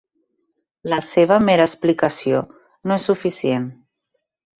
La seva mera explicació no és suficient.